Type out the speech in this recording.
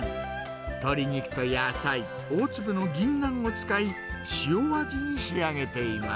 鶏肉と野菜、大粒の銀杏を使い、塩味に仕上げています。